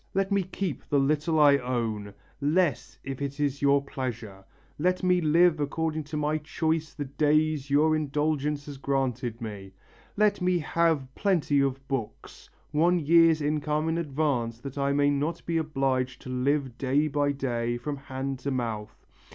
let me keep the little I own, less if it is your pleasure; let me live according to my choice the days your indulgence has granted me; let me have plenty of books, one year's income in advance that I may not be obliged to live day by day from hand to mouth....